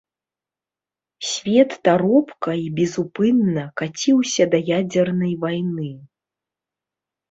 Свет таропка і безупынна каціўся да ядзернай вайны.